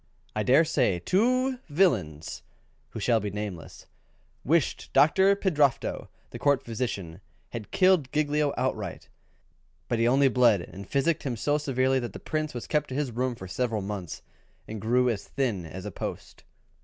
I dare say two villains, who shall be nameless, wished Doctor Pildrafto, the Court physician, had killed Giglio right out, but he only bled and physicked him so severely that the Prince was kept to his room for several months, and grew as thin as a post.